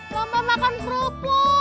lomba makan gerupuk